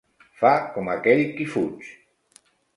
Fa com aquell qui fuig.